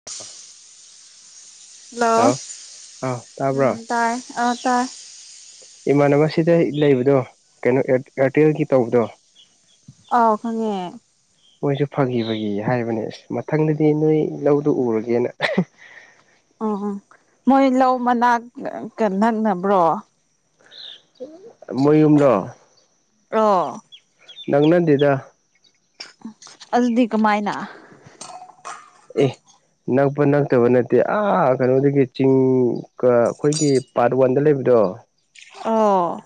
[inaudible] Hello ꯍꯂ ꯑ ꯇꯥꯕ꯭ꯔꯣ ꯎꯝ ꯇꯥꯏ ꯑ ꯇꯥꯏ ꯏꯃꯥꯟꯅꯕꯁꯤꯗ ꯂꯩꯕꯗꯣ ꯀꯩꯅꯣ ꯑꯦꯌꯥꯔꯇꯦꯜꯒꯤ ꯇꯧꯕꯗꯣ ꯑ ꯈꯪꯉꯦ ꯃꯣꯏꯁꯨ ꯐꯈꯤꯕꯒꯤ ꯍꯥꯏꯕꯅꯦ ꯑꯁ ꯃꯊꯪꯗꯗꯤ ꯅꯣꯏ ꯂꯧꯗꯨ ꯎꯔꯒꯦꯅ ꯎꯝ ꯎꯝ ꯃꯣꯏ ꯂꯧ ꯃꯅꯥꯛ ꯅꯪꯅꯕ꯭ꯔꯣ ꯃꯌꯨꯝꯅꯣ ꯔ ꯅꯪꯅꯗꯦꯗ ꯑꯁꯗꯤ ꯀꯃꯥꯏꯅ ꯑꯦ ꯅꯛꯄ ꯅꯛꯇꯕ ꯅꯠꯇꯦ ꯑꯥ ꯀꯩꯅꯣꯗꯒꯤ ꯆꯤꯡ ꯑꯩꯈꯣꯏꯒꯤ ꯄꯥꯔꯠ ꯋꯥꯟꯗ ꯂꯩꯕꯗꯣ ꯑꯣ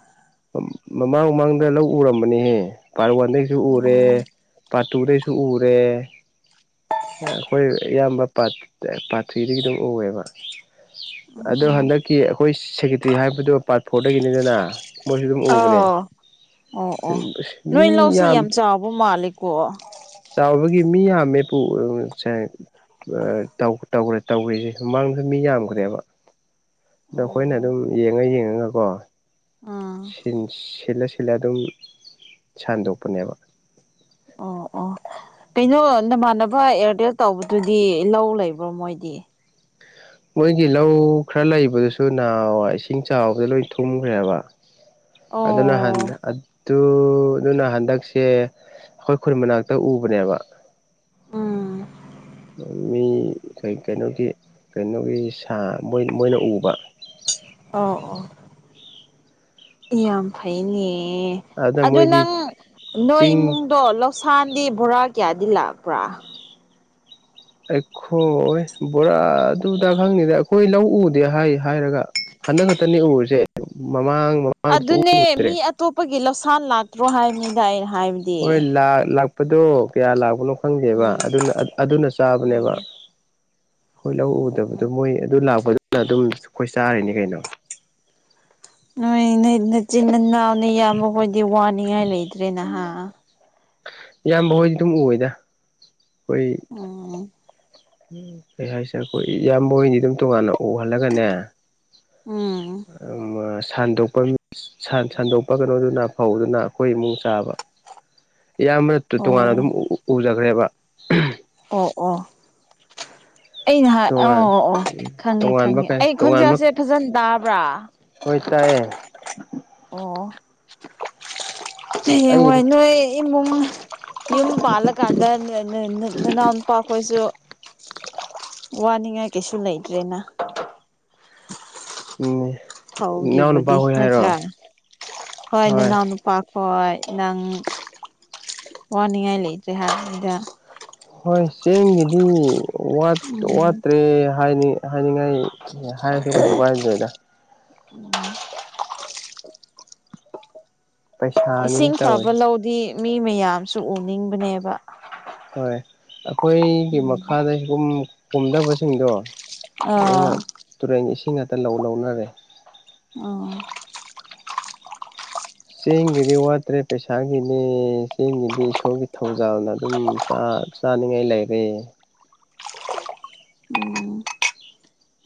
ꯃꯃꯥꯡ ꯃꯃꯥꯡꯗ ꯂꯧ ꯎꯔꯝꯕꯅꯤꯍꯦ ꯄꯥꯔꯠ ꯋꯥꯟꯗꯒꯤꯁꯨ ꯑꯣ ꯎꯔꯦ ꯄꯥꯠꯇꯨꯗꯩꯁꯨ ꯎꯔꯦ ꯑꯩꯈꯣꯏ ꯑꯌꯥꯝꯕꯥ ꯄꯥꯔꯊ꯭ꯔꯤꯗꯒꯤ ꯑꯗꯨꯝ ꯎꯑꯦꯕ ꯎꯝ ꯑꯗꯣ ꯎꯝ ꯍꯟꯗꯛꯀꯤ ꯑꯩꯈꯣꯏ ꯁꯦꯀꯦꯇꯔꯤ ꯍꯥꯏꯕꯗꯨꯣ ꯄꯥꯔꯠ ꯐꯣꯔꯗꯒꯤꯅꯤꯗꯅ ꯃꯣꯏꯁꯨ ꯑꯗꯨꯝ ꯎꯕꯅꯦ ꯑꯥ ꯑꯣ ꯑꯣ ꯅꯣꯏ ꯂꯧꯁꯤ ꯌꯥꯝ ꯆꯥꯎꯕ ꯃꯥꯜꯂꯦꯀꯣ ꯆꯥꯎꯕꯒꯤ ꯃꯤ ꯌꯥꯝꯃꯦꯄꯨ ꯇꯧ ꯇꯧꯈ꯭ꯔꯤꯁꯦ ꯃꯥꯡꯗ ꯃꯤ ꯌꯥꯝꯈ꯭ꯔꯦꯕ ꯑꯗꯣ ꯑꯩꯈꯣꯏꯅ ꯑꯣ ꯑꯗꯨꯝ ꯌꯦꯡꯉ ꯌꯦꯡꯉꯒꯀꯣ ꯑꯥ ꯁꯤꯜꯂ ꯁꯤꯜꯂ ꯑꯗꯨꯝ ꯁꯟꯗꯣꯛꯄꯅꯦꯕ ꯑꯣ ꯑꯣ ꯀꯩꯅꯣ ꯅꯃꯥꯟꯅꯕ ꯑꯦꯌꯥꯔꯇꯦꯜ ꯇꯧꯕꯗꯨꯗꯤ ꯂꯧ ꯂꯩꯕ꯭ꯔꯣ ꯃꯣꯏꯗꯤ ꯃꯣꯏꯒꯤ ꯂꯧ ꯈꯔ ꯂꯩꯕꯗꯨꯁꯨ ꯅꯅꯥꯋꯥ ꯏꯁꯤꯡ ꯆꯥꯎꯕꯗ ꯂꯣꯏ ꯊꯨꯝꯈ꯭ꯔꯦꯕ ꯑꯗꯨꯅ ꯍ ꯑꯣ ꯑꯗꯨ ꯑꯗꯨꯅ ꯍꯟꯗꯛꯁꯦ ꯑꯩꯈꯣꯏ ꯈꯨꯟ ꯃꯅꯥꯛꯇ ꯎꯕꯅꯦꯕ ꯎꯝ ꯃꯤ ꯀꯩꯅꯣꯒꯤ ꯀꯩꯅꯣꯒꯤ ꯁꯥ ꯃꯣꯏ ꯃꯣꯏꯅ ꯎꯕ ꯑꯣ ꯑꯣ ꯌꯥꯝ ꯐꯩꯅꯦ ꯑꯗꯨꯗ ꯑꯗꯨ ꯃꯣꯏꯗꯤ ꯅꯪ ꯅꯣꯏ ꯆꯤꯡ ꯏꯃꯨꯡꯗꯣ ꯂꯧ ꯁꯥꯟꯗꯤ ꯕꯣꯔꯥ ꯀꯌꯥꯗꯤ ꯂꯥꯛꯄ꯭ꯔꯥ ꯑꯩꯈꯣ ꯕꯣꯔꯥꯗꯨꯗ ꯈꯪꯅꯤꯗꯦ ꯑꯩꯈꯣꯏ ꯂꯧ ꯎꯗꯦ ꯍꯥꯏ ꯍꯥꯏꯔꯒ ꯍꯟꯗꯛ ꯈꯛꯇꯅꯤ ꯎꯔꯤꯁꯦ ꯃꯃꯥꯡ ꯃꯃꯥꯡꯗꯁꯨ ꯑꯗꯨꯅꯦ ꯃꯤ ꯎꯗ꯭ꯔꯦ ꯑꯇꯣꯞꯄꯒꯤ ꯂꯧꯁꯥꯥꯟ ꯂꯥꯛꯇ꯭ꯔꯣ ꯍꯥꯏꯅꯤꯗ ꯑꯩꯅ ꯍꯥꯏ ꯍꯣꯏ ꯂꯥꯛꯄꯗꯣ ꯀꯌꯥ ꯂꯥꯛꯄꯅꯣ ꯈꯪꯗꯦꯕ ꯎꯝ ꯑꯗꯨꯅ ꯆꯥꯕꯅꯦꯕ ꯎꯝ ꯍꯣꯏ ꯂꯧ ꯎꯗꯕꯗꯣ ꯎꯝ ꯃꯣꯏ ꯑꯗꯨ ꯂꯥꯛꯄꯗꯨꯅ ꯑꯗꯨꯝ ꯑꯩꯈꯣꯏ ꯆꯥꯔꯤꯅꯤ ꯀꯩꯅꯣ ꯅꯣꯏ ꯅ ꯅꯆꯤꯟ ꯅꯅꯥꯎꯅꯤ ꯏꯕꯈꯣꯏꯗꯤ ꯋꯥꯅꯤꯡꯉꯥꯏ ꯂꯩꯇ꯭ꯔꯦ ꯅꯍꯥ ꯏꯌꯥꯝꯕ ꯍꯣꯏꯗꯤ ꯑꯗꯨꯝ ꯎꯗ ꯑꯩꯈꯣꯏ ꯎꯝ ꯎ ꯀꯩ ꯍꯥꯏꯁꯔꯦ ꯑꯩꯈꯣꯏ ꯏꯌꯥꯝꯕꯣꯏꯅꯤ ꯑꯗꯨꯝ ꯇꯣꯉꯥꯟꯅ ꯎꯍꯜꯂꯒꯅꯦ ꯎꯝ ꯁꯟꯗꯣꯛꯄꯒꯤ ꯁꯟꯗꯣꯛꯄ ꯀꯩꯅꯣꯗꯨꯅ ꯐꯧꯗꯨꯅ ꯑꯩꯈꯣꯏ ꯏꯃꯨꯡ ꯆꯥꯕ ꯏꯌꯥꯝꯕꯅ ꯇꯣꯉꯥꯟꯅ ꯑꯣ ꯑꯗꯨꯝ ꯎꯖꯈ꯭ꯔꯦꯕ ꯑꯣ ꯑꯣ ꯑꯩꯅ ꯍꯥꯏ ꯑꯣ ꯇꯣꯉꯥꯟ ꯑꯣ ꯑꯣ ꯈꯪꯉꯤ ꯇꯣꯉꯥꯟꯕ ꯈꯪꯉꯤ ꯀꯩ ꯑꯩ ꯇꯣꯉꯥꯟꯕ ꯈꯣꯟꯖꯦꯜꯁꯦ ꯐꯖꯅ ꯇꯥꯕ꯭ꯔꯥ ꯍꯣꯏ ꯇꯥꯏꯌꯦ ꯑꯣ ꯑꯩꯒꯤꯗꯤ ꯍꯥꯌꯦꯡꯋꯥꯏ ꯅꯣꯏ ꯏꯃꯨꯡ ꯌꯨꯝ ꯄꯥꯜꯂꯀꯥꯟꯗ ꯅꯅꯥꯎ ꯅꯨꯄꯥ ꯈꯣꯏꯁꯨ ꯋꯥꯅꯤꯡꯉꯥꯏ ꯀꯩꯁꯨ ꯂꯩꯇ꯭ꯔꯦꯅ ꯎꯝ ꯏꯅꯥꯎꯅꯨꯄꯥ ꯍꯧꯒꯤꯕꯨꯗꯤ ꯍꯣꯏ ꯍꯥꯏꯔꯣ ꯅꯠꯇ꯭ꯔꯥ ꯍꯣꯏ ꯅꯅꯥꯎ ꯅꯨꯄꯥ ꯍꯣꯏ ꯅꯪ ꯋꯥꯅꯤꯡꯉꯥꯏ ꯂꯩꯇ꯭ꯔꯦ ꯍꯥꯏꯕꯅꯤꯗ ꯍꯣꯏ ꯆꯦꯡꯒꯤꯗꯤ ꯎꯝ ꯋꯥꯠꯇ꯭ꯔꯦ ꯍꯥꯏ ꯍꯥꯏꯅꯤꯡꯉꯥꯏ ꯑꯦ ꯍꯥꯏꯔꯁꯨ ꯀꯩꯁꯨ ꯀꯥꯏꯗꯦꯗ ꯄꯩꯁꯥꯅꯤꯅꯦ ꯏꯁꯤꯡ ꯐꯕ ꯇꯧꯔꯤꯁꯦ ꯂꯧꯗꯤ ꯃꯤ ꯃꯌꯥꯝꯁꯨ ꯎꯅꯤꯡꯕꯅꯦꯕ ꯍꯣꯏ ꯑꯩꯈꯣꯏꯒꯤ ꯃꯈꯥꯗ ꯁꯤꯒꯨꯝ ꯀꯨꯝꯗꯕꯁꯤꯡꯗꯣ ꯑꯗꯨꯅ ꯑꯥ ꯇꯨꯔꯦꯟ ꯏꯁꯤꯡ ꯉꯥꯛꯇ ꯂꯧ ꯂꯧꯅꯔꯦ ꯑꯣ ꯆꯦꯡꯒꯤꯗꯤ ꯋꯥꯠꯇ꯭ꯔꯦ ꯄꯩꯁꯥꯒꯤꯅꯦ ꯆꯦꯡꯒꯤꯗꯤ ꯏꯁꯣꯔꯒꯤ ꯊꯧꯖꯥꯜꯅ ꯑꯗꯨꯝ ꯆꯥ ꯆꯥꯅꯤꯡꯉꯥꯏ ꯂꯩꯔꯦ ꯎꯝ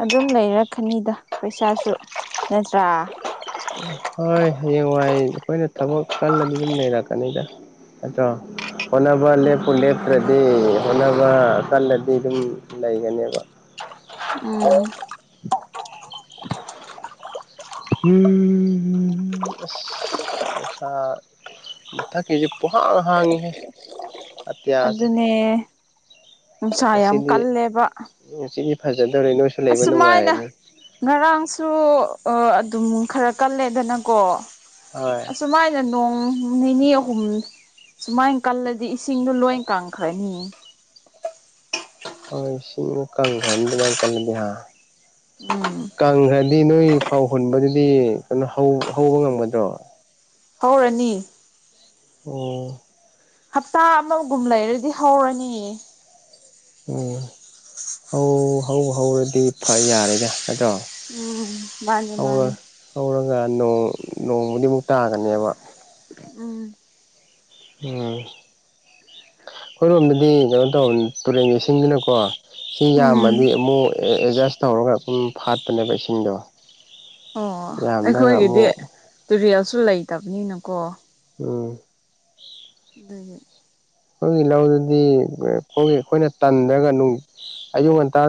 ꯑꯗꯨꯝ ꯂꯩꯔꯛꯀꯅꯤꯗ ꯄꯩꯁꯥꯁꯨ ꯅꯠꯇ꯭ꯔꯥ ꯍꯣꯏ ꯍꯌꯦꯡ ꯋꯥꯏ ꯑꯩꯈꯣꯏꯅ ꯊꯕꯛ ꯀꯜꯂꯗꯤ ꯑꯗꯨꯝ ꯂꯩꯔꯛꯀꯅꯤꯗ ꯑꯆꯥ ꯍꯣꯠꯅꯕ ꯂꯦꯞꯄꯨ ꯃꯥꯅꯤ ꯃꯥꯅꯤ ꯂꯦꯞꯇ꯭ꯔꯗꯤ ꯍꯣꯠꯅꯕ ꯀꯜꯂꯗꯤ ꯑꯗꯨꯝ ꯂꯩꯒꯅꯤꯕ ꯎꯝ ꯎ ꯑꯦ ꯗꯁꯥ ꯃꯊꯛꯀꯤꯁꯤ ꯄꯨꯛꯍꯥꯡ ꯍꯥꯡꯉꯤꯍꯦ ꯑꯇꯤꯌꯥꯁꯦ ꯑꯗꯨꯅꯦ ꯅꯨꯡꯁꯥ ꯌꯥꯝ ꯉꯁꯤꯗꯤ ꯀꯜꯂꯦꯕ ꯉꯁꯤꯗꯤ ꯐꯖꯗꯣꯔꯦ ꯅꯣꯏ ꯑꯁꯨꯃꯥꯏꯅ ꯉꯔꯥꯡꯁꯨ ꯑꯗꯨꯝ ꯈꯔ ꯀꯜꯂꯦꯗꯅꯀꯣ ꯍꯣꯏ꯫ ꯑꯁꯨꯃꯥꯏꯅ ꯅꯣꯡ ꯅꯤꯅꯤ ꯑꯍꯨꯝ ꯁꯨꯃꯥꯏꯅ ꯀꯜꯂꯗꯤ ꯏꯁꯤꯡꯗꯣ ꯂꯣꯏ ꯀꯪꯈ꯭ꯔꯅꯤ ꯍ ꯏꯁꯤꯡꯕꯨ ꯀꯪꯈ꯭ꯔꯅꯤ ꯑꯗꯨꯃꯥꯏꯅ ꯀꯜꯂꯗꯍꯥ ꯎꯝ ꯀꯪꯒ꯭ꯔꯗꯤ ꯅꯣꯏ ꯐꯧ ꯍꯨꯟꯕꯗꯨꯗꯤ ꯀꯩꯅꯣ ꯍꯧ ꯍꯧꯕ ꯉꯝꯒꯗ꯭ꯔꯣ꯫ ꯍꯧꯔꯅꯤ ꯑꯣ ꯍꯞꯇꯥ ꯑꯃꯒꯨꯝ ꯂꯩꯔꯗꯤ ꯍꯧꯔꯅꯤ ꯎꯝ ꯍꯧ ꯍꯧ ꯍꯧꯔꯗꯤ ꯐꯥ ꯌꯥꯔꯦꯗ꯫ ꯅꯠꯇ꯭ꯔꯣ ꯎꯝ ꯃꯥꯅꯤ ꯍꯧꯔ ꯃꯥꯅꯤ꯫ ꯍꯧꯔꯒ ꯅꯣꯡ ꯅꯣꯡꯃꯗꯤꯃꯨꯛ ꯇꯥꯒꯅꯦꯕ ꯎꯝ꯫ ꯎꯝ ꯑꯩꯈꯣꯏꯔꯣꯝꯗꯗꯤ ꯀꯩꯅꯣ ꯇꯧꯕꯅꯤ ꯇꯨꯔꯦꯟꯒꯤ ꯏꯁꯤꯡꯅꯤꯅꯀꯣ ꯁꯤ ꯎꯝ ꯌꯥꯝꯃꯗꯤ ꯑꯃꯨꯛ ꯑꯦꯗꯖꯁ ꯇꯧꯔꯒ ꯑꯗꯨꯝ ꯐꯥꯠꯄꯅꯦꯕ ꯏꯁꯤꯡꯗꯣ ꯑꯣ ꯌꯥꯝꯗ꯭ꯔꯒ ꯑꯩꯈꯣꯏꯒꯤꯗꯤ ꯑꯃꯨꯛ ꯇꯨꯔꯦꯜꯁꯨ ꯂꯩꯇꯕꯅꯤꯅꯀꯣ ꯎꯝ ꯑꯗꯨꯅꯦ ꯑꯩꯈꯣꯏꯒꯤ ꯂꯧꯗꯨꯗꯤ ꯑꯩꯈꯣꯏ ꯑꯩꯈꯣꯏꯅ ꯇꯟꯗ꯭ꯔꯒ ꯑꯌꯨꯛ ꯉꯟꯇꯥ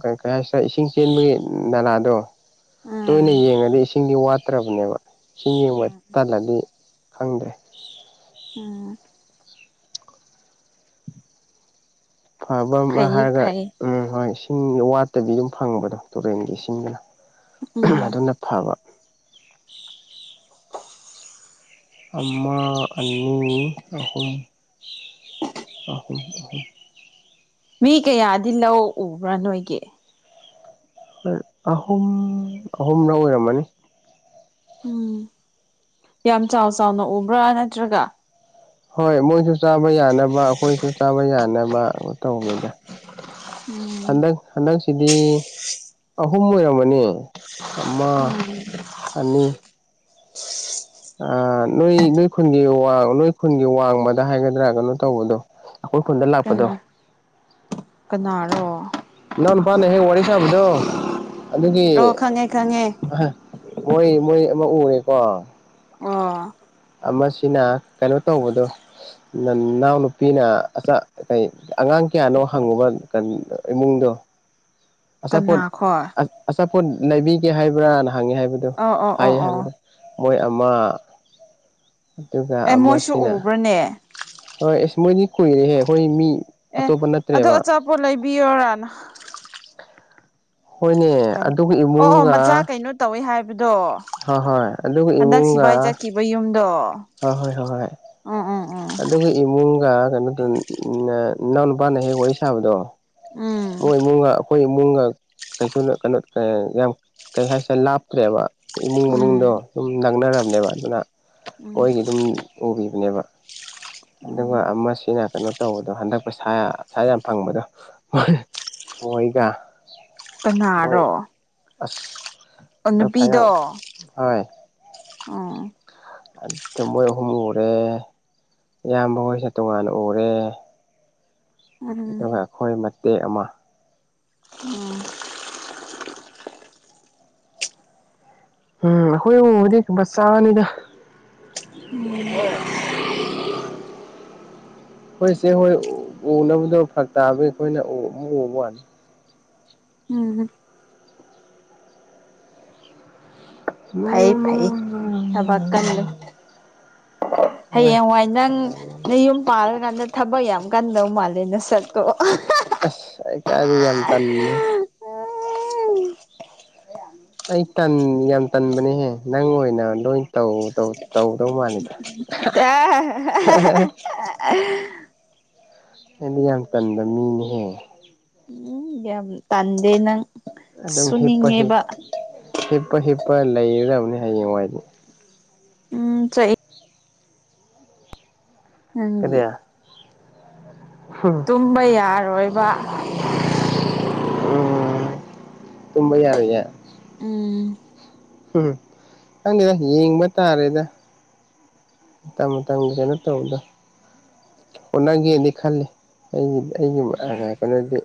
ꯀꯩ ꯀꯩ ꯍꯥꯏꯁꯤꯔ ꯏꯁꯤꯡ ꯆꯦꯟꯕꯒꯤ ꯅꯂꯥꯗꯣ ꯇꯣꯏꯅ ꯎꯝ ꯌꯦꯡꯉꯗꯤ ꯏꯁꯤꯡꯗꯤ ꯋꯥꯠꯇ꯭ꯔꯕꯅꯦꯕ ꯏꯁꯤꯡ ꯌꯦꯡꯕ ꯇꯜꯂꯗꯤ ꯈꯪꯗꯦ ꯎꯝ ꯐꯕ ꯑꯃ ꯐꯩꯌꯦ ꯍꯥꯏꯔꯒ ꯐꯩꯌꯦ ꯎꯝ ꯍꯣꯏ ꯏꯁꯤꯡ ꯋꯥꯠꯇꯕꯤ ꯑꯗꯨꯝ ꯐꯪꯕꯗꯣ ꯇꯨꯔꯦꯟꯒꯤ ꯏꯁꯤꯡꯇꯅ ꯎꯝ ꯑꯗꯨ ꯅ ꯊꯥꯕ ꯑꯃꯥ ꯑꯅꯤ ꯑꯍꯨꯝ ꯑꯍꯨꯝ ꯑꯍꯨꯝ ꯃꯤ ꯀꯌꯥꯗꯤ ꯂꯧ ꯎꯕ꯭ꯔꯥ ꯅꯣꯏꯒꯤ ꯑꯍꯨꯝ ꯑꯍꯨꯝꯔꯥꯛ ꯑꯣꯏꯔꯝꯃꯅꯤ ꯎꯝ ꯌꯥꯝ ꯆꯥꯎ ꯆꯥꯎꯅ ꯎꯕ꯭ꯔꯥ ꯅꯠꯇ꯭ꯔꯒ ꯍꯣꯢ ꯃꯣꯏ ꯆꯥꯕ ꯌꯥꯅꯕ ꯑꯩꯈꯣꯏꯁꯨ ꯆꯥꯕ ꯌꯥꯅꯕ ꯇꯧꯕꯅꯤꯗ ꯎꯝ ꯍꯟꯗꯛ ꯍꯟꯗꯛꯁꯤꯗꯤ ꯑꯍꯨꯝ ꯑꯣꯏꯔꯝꯃꯅꯤ ꯑꯃ ꯑꯅꯤ ꯑ ꯅꯣꯏ ꯅꯣꯏ ꯈꯨꯟꯒꯤ ꯅꯣꯏ ꯈꯨꯟꯒꯤ ꯋꯥꯡꯃꯗ ꯍꯥꯏꯒꯗ꯭ꯔꯥ ꯀꯩꯅꯣ ꯇꯧꯕꯗꯣ ꯑꯩꯈꯣꯏ ꯈꯨꯟꯗ ꯂꯥꯛꯄꯗꯣ ꯀꯅꯥ ꯀꯅꯥꯔꯣ ꯏꯅꯥꯎ ꯅꯨꯄꯥꯅ ꯍꯦꯛ ꯋꯥꯔꯤ ꯁꯥꯕꯗꯣ ꯑꯗꯨꯒꯤ ꯑꯣ ꯈꯪꯉꯦ ꯈꯪꯉꯦ ꯃꯣꯏ ꯃꯣꯏ ꯑꯃ ꯎꯔꯦꯀꯣ ꯑꯣ ꯑꯃꯁꯤꯅ ꯀꯩꯅꯣ ꯇꯧꯕꯗꯣ ꯅꯅꯥꯎꯅꯨꯄꯤꯅ ꯑꯆꯥ ꯀꯩ ꯑꯉꯥꯡ ꯀꯌꯥꯅꯣ ꯍꯪꯉꯨꯕ ꯏꯃꯨꯡꯗꯣ ꯀꯅꯥ ꯑꯆꯥꯄꯣꯠ ꯈꯣꯏ ꯑꯆꯥꯄꯣꯠ ꯂꯩꯕꯤꯒꯦ ꯍꯥꯏꯕ꯭ꯔꯅ ꯍꯪꯉꯦ ꯍꯥꯏꯕꯗꯣ ꯑꯣ ꯑꯣ ꯑꯣ ꯍꯥꯏꯌꯦ ꯑꯣ ꯍꯥꯏꯕꯗꯣ ꯃꯣꯏ ꯑꯃ ꯑꯗꯨꯒ ꯑꯦ ꯃꯣꯏꯁꯨ ꯑꯃꯁꯤꯅ [unintelligible] ꯍꯣꯏ ꯑꯦ ꯃꯣꯏꯗꯤ ꯀꯨꯏꯔꯦꯍꯦ ꯑꯩꯈꯣꯏ ꯃꯤ ꯑꯦ ꯑꯇꯣꯞꯄ ꯑꯗꯣ ꯅꯠꯇ꯭ꯔꯦꯕ ꯑꯆꯥꯄꯣꯠ ꯂꯩꯕꯤꯌꯣꯔꯥ ꯅ [unintelligible] ꯍꯣꯏꯅꯦ ꯑꯗꯨꯒ ꯑꯣ ꯑꯣ ꯏꯃꯨꯡꯒ ꯃꯆꯥ ꯀꯩꯅꯣ ꯇꯧꯏ ꯍꯥꯏꯕꯗꯣ ꯍꯣꯏ ꯍꯣꯏ ꯑꯗꯨꯒ ꯍꯟꯗꯛ ꯁꯤꯕꯥꯏ ꯆꯠꯈꯤꯕ ꯌꯨꯝꯗꯣ ꯍ ꯍꯣꯏ ꯍꯣꯏ ꯍꯣꯏ ꯎꯝ ꯎꯝ ꯎꯝ ꯑꯗꯨꯒ ꯏꯃꯨꯡꯒ ꯀꯩꯅꯣ ꯇꯧ ꯏꯅꯥꯎ ꯅꯨꯄꯥꯅ ꯍꯦꯛ ꯋꯥꯔꯤ ꯁꯥꯕꯗꯣ ꯎꯝ ꯃꯣꯏ ꯏꯃꯨꯡꯒ ꯑꯩꯈꯣꯏ ꯏꯃꯨꯡꯒ ꯀꯩꯁꯨ ꯀꯩꯅꯣ ꯀ ꯌꯥꯝ ꯀꯩ ꯍꯥꯏꯁꯦ ꯂꯥꯞꯇ꯭ꯔꯦꯕ ꯏꯃꯨꯡ ꯎꯝ ꯃꯅꯨꯡꯗꯗꯣ ꯁꯨꯝ ꯅꯪꯅꯔꯕꯅꯦꯕ ꯑꯗꯨꯅ ꯎꯝ ꯃꯣꯏꯒꯤ ꯑꯗꯨꯝ ꯎꯕꯤꯕꯅꯦꯕ ꯑꯗꯨꯒ ꯎꯝ ꯑꯃꯁꯤꯅ ꯀꯩꯅꯣ ꯇꯧꯕꯗꯣ ꯍꯟꯗꯛ ꯁꯥꯏꯖ ꯌꯥꯝ ꯐꯪꯕꯗꯣ ꯃꯣꯏꯒ ꯃꯣꯏ ꯀꯅꯥꯔꯣ ꯑꯁ ꯅꯨꯄꯤꯗꯣ [unintelligible] ꯑꯣ ꯑꯗꯨꯗ ꯃꯣꯏ ꯑꯍꯨꯝ ꯎꯔꯦ ꯏꯌꯥꯝꯕ ꯃꯣꯢꯖꯦ ꯇꯣꯉꯥꯟꯅ ꯎꯔꯦ ꯎꯝ ꯑꯗꯨꯒ ꯑꯩꯈꯣꯏ ꯃꯇꯦꯛ ꯑꯃ ꯎꯝ [unintelligible] ꯎꯝ ꯑꯩꯈꯣꯏ ꯎꯕꯗꯤ ꯃꯆꯥꯅꯤꯗ [unintelligible] ꯎꯝ [unintelligible] ꯑꯩꯈꯣꯏ ꯆꯦ ꯍꯣꯏ ꯎꯅꯕꯗꯣ ꯐꯔꯛ ꯇꯥꯕꯩ ꯑꯩꯈꯣꯏꯅ ꯑꯃꯨꯛ ꯎꯕ ꯋꯥꯅꯤ ꯎꯝ ꯐꯩ ꯐꯩ ꯊꯕꯛ ꯀꯟꯂꯤ꯫ ꯍꯣꯏ ꯍꯌꯦꯡꯋꯥꯏ ꯅꯪ ꯅꯌꯨꯝ ꯄꯥꯜꯂꯀꯥꯟꯗ ꯊꯕꯛ ꯌꯥꯝ ꯀꯟꯗꯧ ꯃꯥꯜꯂꯦ ꯅꯁꯛꯇꯣ [unintelligible] ꯑꯁ ꯑꯩ ꯀꯥꯏꯅꫭ ꯌꯥꯝ ꯇꯥꯟꯃꯤꯅꯦ [unintelligible] ꯑꯩ ꯇꯟ ꯌꯥꯝ ꯇꯟꯕꯅꯦꯍꯦ ꯅꯪ ꯑꯣꯏꯅ ꯂꯣꯏ ꯇꯧ ꯇꯧꯗꯧ ꯃꯥꯜꯂꯤꯗ ꯑ ꯑꯩꯗꯤ ꯌꯥꯝ ꯇꯟꯕ ꯃꯤꯅꯤꯍꯦ ꯎꯝ ꯌꯥꯝ ꯇꯥꯟꯗꯦ ꯅꯪ ꯑꯗꯨꯝ ꯍꯤꯞꯄ ꯍꯤꯞ ꯁꯨꯅꯤꯡꯉꯦꯕ ꯍꯤꯞꯄ ꯍꯤꯞꯄ ꯂꯩꯒꯗꯕꯅꯤ ꯍꯌꯦꯡꯋꯥꯏꯗꯤ ꯎꯝ ꯆ ꯅꯪꯒꯤ ꯍꯝ ꯇꯨꯝꯕ ꯌꯥꯔꯣꯏꯕ [unintelligible] ꯎꯝ ꯇꯨꯝꯕ ꯌꯥꯔꯣꯏꯌꯦ ꯎꯝ ꯎꯝ ꯅꯪꯗꯦꯗ ꯌꯦꯡꯕ ꯇꯥꯔꯦꯗ ꯃꯇꯝ ꯃꯇꯝꯒꯤ ꯀꯩꯅꯣ ꯇꯧꯕꯗꯣ ꯍꯣꯠꯅꯒꯦꯗꯤ ꯈꯜꯂꯤ ꯑꯩꯒꯤ ꯑꯩꯒꯤ ꯀꯩꯅꯣꯗꯤ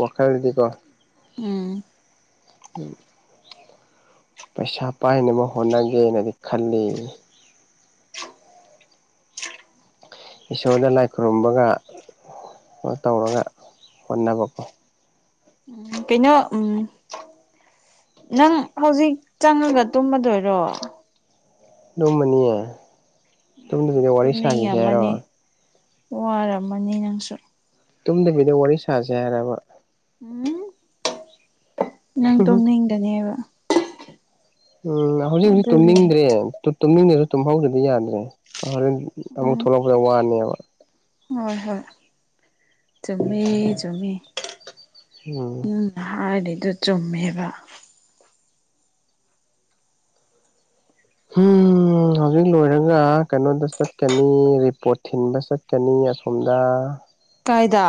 ꯋꯥꯈꯜꯗꯤꯀꯣ ꯎꯝ [unintelligible] ꯄꯩꯁꯥ ꯄꯥꯏꯅꯕ ꯍꯣꯠꯅꯒꯦꯅꯗꯤ ꯈꯜꯂꯤ꯫ ꯏꯁꯣꯔꯗ ꯂꯥꯏ ꯈꯨꯔꯨꯝꯕꯒ ꯇꯧꯔꯒ ꯍꯣꯠꯅꯕꯀꯣ꯫ ꯎꯝ ꯀꯩꯅꫭ ꯎꯝ ꯅꯪ ꯍꯧꯖꯤꯛ ꯆꯪꯉꯒ ꯇꯨꯝꯃꯗꯣꯏꯔꯣ ꯇꯨꯝꯃꯅꯤꯌꯦ ꯇꯨꯝꯗꯕꯤꯗ ꯋꯥꯔꯤ ꯁꯥꯒꯤꯁꯦ ꯍꯥꯏꯔꯣ ꯇꯨꯝꯅꯤꯡꯉꯝꯃꯅꯤ ꯋꯥꯔꯝꯃꯅꯤ ꯅꯪꯁꯨ ꯇꯨꯝꯗꯕꯤꯗ ꯋꯥꯔꯤ ꯁꯥꯖꯦ ꯍꯥꯏꯔꯥꯕ ꯎꯝ ꯅꯪ ꯎꯝ ꯇꯣꯝꯅꯤꯡꯗꯅꯦꯕ ꯎꯝ ꯍꯧꯖꯤꯛ ꯍꯧꯖꯤꯛ ꯑꯗꯨꯒꯤ ꯇꯨꯝꯅꯤꯡꯗ꯭ꯔꯦ ꯇꯨꯝꯅꯤꯡꯗ꯭ꯔꯖꯨ ꯇꯨꯝꯍꯧꯗ꯭ꯔꯗꯤ ꯌꯥꯗ꯭ꯔꯦ꯫ ꯍꫭꯔꯦꯟ ꯑꯃꯨꯛ ꯎꯝ ꯊꯣꯛꯂꯛꯄꯗ ꯋꯥꯅꯦꯕ ꯍꯣꯏ ꯍꯣꯏ ꯆꯨꯝꯃꯦ ꯆꯨꯝꯃꯦ ꯎꯝ ꯅ ꯍꯥꯏꯗꯩꯗꯣ ꯆꯨꯝꯃꯦꯕ꯫ ꯍꯨꯝ ꯍꯧꯖꯤꯛ ꯂꯣꯏꯔꯒ ꯀꯩꯅꯣꯗ ꯆꯠꯀꯅꯤ ꯔꯤꯄꯣꯔꯠ ꯊꯤꯟꯕ ꯆꯠꯀꯅꯤ ꯑꯁꯣꯝꯗ ꯀꯥꯏꯗ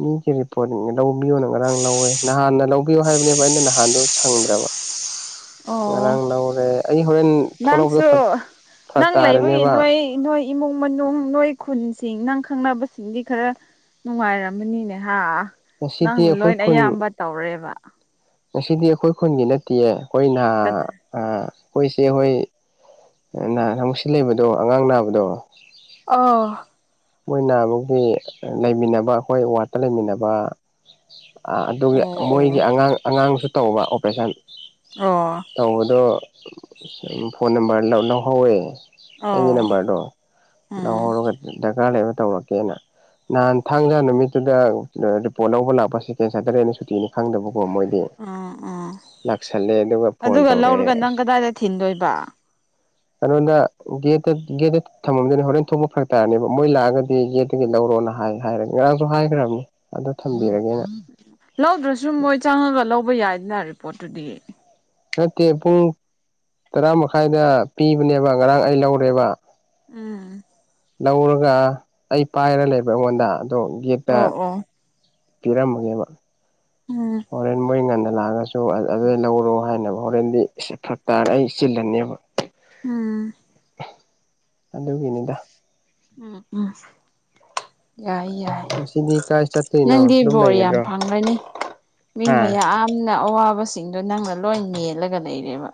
ꯃꯤꯒꯤ ꯔꯤꯄꯣꯔꯠ ꯂꯧꯕꯤꯌꯣꯅ ꯉꯔꯥꯡ ꯂꯧꯋꯦ ꯅꯍꯥꯟꯅ ꯂꯧꯕꯤꯌꯨ ꯍꯥꯏꯕꯅꯦꯕ ꯑꯩꯅ ꯅꯍꯥꯟꯗꯣ ꯁꯪꯗ꯭ꯔꯕ [inaudible] ꯑꯣ ꯉꯔꯥꯡ ꯂꯧꯔꯦ ꯑꯩ ꯍꯣꯔꯦꯟ ꯊꯂꯛꯄꯗ ꯅꯪꯁꯨ ꯐꯔꯛ ꯅꯪ ꯂꯩꯕꯒꯤ ꯇꯥꯔꯦꯅꯦꯕ ꯅꯣꯏ ꯅꯣꯏ ꯏꯃꯨꯡ ꯃꯅꯨꯡ ꯅꯣꯏ ꯈꯨꯟꯁꯤꯡ ꯅꯪ ꯈꯪꯅꯕꯁꯤꯡꯗꯤ ꯈꯔ ꯅꯨꯡꯉꯥꯏꯔꯝꯃꯅꯤꯅꯦ ꯍꯥ ꯉꯁꯤꯗꯤ ꯅꯪꯅ ꯑꯩꯈꯣꯏ ꯂꯣꯏ ꯈꯨꯟ ꯑꯌꯥꯝꯕ ꯇꯧꯔꯦꯕ ꯉꯁꯤꯗꯤ ꯑꯩꯈꯣꯏ ꯈꯨꯟꯒꯤ ꯅꯠꯇꯦꯌꯦ ꯑꯩꯈꯣꯏꯅꯍ ꯀꯅꯥ ꯑꯩꯈꯣꯏꯆꯦ ꯍꫭꯏ [unintelligible] ꯂꯩꯕꯗꯣ ꯑꯉꯥꯡ ꯅꯥꯕꯗꯣ ꯑꯣ ꯃꯣꯏꯅꯍꯥꯟꯃꯨꯛꯒꯤ ꯂꯩꯃꯤꯟꯅꯕ ꯑꯩꯈꯣꯏ ꯋꯥꯠꯇ ꯂꯩꯃꯤꯟꯅꯕ ꯑꯗꯨꯒꯤ ꯃꯣꯏꯒꯤ ꯑꯣ ꯑꯉꯥꯡ ꯑꯉꯥꯡꯁꯨ ꯇꯧꯕ ꯑꯣꯄꯔꯦꯁꯟ ꯑꯣ ꯇꯧꯕꯗꯣ ꯐꯣꯟ ꯅꯝꯕꯔ ꯂꯧꯍꯧꯋꯦ ꯑꯩꯒꯤ ꯑꯣ ꯅꯝꯕꯔꯗꯣ ꯎꯝ ꯂꯧꯍꯧꯔꯒ ꯗꯔꯀꯥꯔ ꯂꯩꯕ ꯇꯧꯔꯛꯀꯦꯅ ꯅꯍꯥꯟ ꯊꯥꯡꯖ ꯅꯨꯃꯤꯠꯇꯨꯗ ꯑ ꯔꯤꯄꯣꯔꯠ ꯂꯧꯕ ꯂꯥꯛꯄ ꯁꯦꯀꯦꯟ ꯁꯦꯇꯔꯗꯦꯅꯦ ꯁꯨꯇꯤꯅꯤ ꯈꯪꯗꯕꯀꯣ ꯃꯣꯏ ꯎꯝ ꯎꯝ ꯂꯥꯛꯁꯜꯂꯦ ꯑꯗꯨꯒ ꯐꯣꯟ ꯇꯧꯔꯛꯑꯦ ꯂꯧꯔꯒ ꯅꯪ ꯑꯁ ꯀꯗꯥꯏꯗ ꯊꯤꯟꯗꯣꯏꯕ [unintelligible] ꯉꯣꯟꯗ ꯒꯦꯠꯇ ꯒꯦꯠꯇ ꯊꯝꯃꯝꯗꯣꯏꯅꯤ ꯍꯣꯔꯦꯟ ꯊꯣꯛꯄ ꯐꯔꯛ ꯅꯦꯕ ꯃꯣꯏ ꯂꯥꯛꯑꯒꯗꯤ ꯌꯦꯦꯠꯇꯒꯤ ꯂꯧꯔꯣꯅ ꯍꯥꯏ ꯍꯥꯏꯔꯒ ꯉꯔꯥꯡꯁꯨ ꯍꯥꯏꯈ꯭ꯔꯕꯅꯤ ꯑꯗꯨ ꯊꯝꯕꯤꯔꯒꯦꯅ ꯂꯧꯗ꯭ꯔꯁꯨ ꯃꯣꯏ ꯆꯪꯉꯒ ꯂꯧꯕ ꯌꯥꯏꯗꯅ ꯔꯤꯄꯣꯔꯠꯇꯨꯗꯤ ꯅꯠꯇꯦ ꯄꯨꯡ ꯇꯔꯥ ꯃꯈꯥꯏꯗ ꯄꯤꯕꯅꯦꯕ ꯉꯔꯥꯡ ꯑꯩ ꯂꯧꯔꯦꯕ ꯎꯝ ꯂꯧꯔꯒ ꯑꯩ ꯄꯥꯏꯔ ꯂꯩꯕ ꯑꯩꯉꯣꯟꯗ ꯑꯗꯣ ꯒꯦꯠꯇ ꯑꯣ ꯑꯣ ꯀꯤꯔꯝꯃꯒꯦꯕ ꯎꯝ ꯍꫭꯏ ꯃꯣꯏ ꯉꯟꯅ ꯀꯅꯥꯅꯁꯨ ꯑꯗꯨ ꯂꯧꯔꯣ ꯍꯥꯏꯅꯕ ꯍꯣꯔꯦꯟꯗꯤ ꯐꯛ ꯇꯥꯔ ꯑꯩ ꯆꯤꯜꯂꯅꯦꯕ ꯎꯝ ꯑꯗꯨꯒꯤꯅꯤꯗ ꯎꯝ ꯎꯝ ꯌꯥꯏ ꯌꯥꯏ ꯉꯁꯤꯗꯤ ꯀꯥꯏ ꯆꯠꯇꯣꯏꯅꯣ ꯅꯪꯗꯤ ꯑꯗꯨꯝ ꯕꯣꯔ ꯌꯥꯝ ꯂꯩꯒꯗ꯭ꯔꯣ ꯐꯪꯪꯂꯅꯤ ꯃꯤ ꯍꯥ ꯃꯌꯥꯝ ꯅꯪꯅ ꯑꯋꯥꯕꯁꯤꯡꯗꯨꯣ ꯅꯪꯅ ꯂꯣꯏ ꯃꯦꯜꯂꯒ ꯂꯩꯔꯦꯕ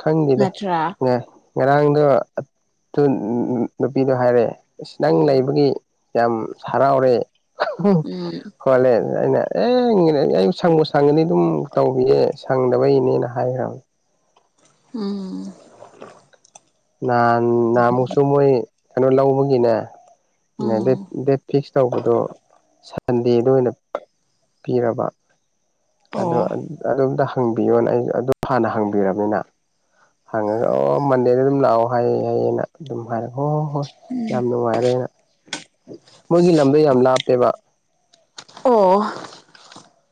ꯈꯪꯗꯦꯗ ꯅꯠꯇ꯭ꯔꯥ ꯉꯥꯏ ꯉꯔꯥꯡꯗꯣ ꯑꯗꯨ ꯅꯨꯄꯤꯗꯣ ꯍꯥꯏꯔꯛꯑꯦ ꯏꯁ ꯅꯪ ꯎꯝ ꯂꯩꯕꯒꯤ ꯌꯥꯝ ꯍꯔꯥꯎꯔꯦ ꯎꯝ ꯈꯣꯠꯂꯦ ꯑꯩꯅ ꯑꯦ [unintelligible] ꯑꯩ ꯁꯪꯕꯨ ꯁꯪꯒꯗꯤ ꯑꯗꯨꯝ ꯇꯧꯕꯤꯌꯦ ꯁꯪꯗꯕꯩꯅꯦꯅ ꯍꯥꯏꯈ꯭ꯔꯕꯅꯦ ꯎꯝ ꯅꯍꯥꯟ ꯅꯍꯥꯟꯃꯨꯛꯁꯨ ꯃꯣꯏ ꯀꯩꯅꯣ ꯂꯧꯕꯒꯤꯅꯦ ꯎꯝ ꯗꯦꯠ ꯐꯤꯛꯁ ꯇꯧꯕꯗꯣ ꯁꯟꯗꯦꯗ ꯑꯣꯏꯅ ꯄꯤꯔꯕ ꯑꯣ ꯑꯗꯣ ꯑꯗꯣꯝꯗ ꯍꯪꯕꯤꯌꯣꯅ ꯑꯩ ꯑꯗꯨ ꯍꯥꯟꯅ ꯍꯪꯕꯤꯔꯕꯅꯤꯅ ꯍꯪꯉꯒ ꯑꯣ ꯃꯟꯗꯦꯗ ꯑꯗꯨꯝ ꯂꯥꯛꯑꯣ ꯍꯥꯏꯌꯦ ꯍꯥꯏꯌꯦꯅ ꯑꯗꯨꯝ ꯍꯥꯏꯔꯛꯦ ꯍꯣꯏ ꯍꯣꯏ ꯍꯣꯏ ꯌꯥꯝ ꯅꯨꯡꯉꯥꯏꯔꯦ ꯑꯩꯅ ꯃꯣꯏꯒꯤ ꯂꯝꯗꯣ ꯌꯥꯝ ꯂꯥꯞꯄꯦꯕ ꯑꯣ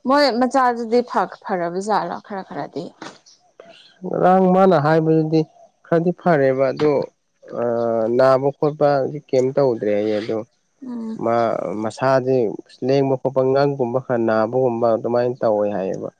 ꯃꯣꯏ ꯃꯆꯥꯗꯨꯗꯤ ꯐꯈ ꯐꯔꯕꯖꯥꯠꯂꯣ ꯈꯔ ꯈꯔꯗꯤ ꯑꯁ ꯉꯔꯥꯡ ꯃꯥꯅ ꯍꯥꯏꯕꯗꯨꯗꯤ ꯈꯔꯗꯤ ꯐꯔꯦꯕ ꯑꯗꯣ ꯅꯥꯕ ꯈꯣꯠꯄ ꯍꯧꯖꯤꯛ ꯀꯩꯝ ꯇꯧꯗ꯭ꯔꯦ ꯑꯩ ꯑꯗꯣ ꯎꯝ ꯃꯥ ꯁꯥꯁꯦ ꯂꯦꯡꯕ ꯈꯣꯠꯄ ꯉꯪꯒꯨꯝꯕ ꯈꯔ ꯅꯥꯕꯒꯨꯝꯕ ꯑꯗꯨꯃꯥꯏꯅ ꯇꯧꯋꯦ ꯍꯥꯏꯌꯦꯕ